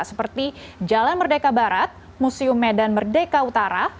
seperti jalan merdeka barat museum medan merdeka utara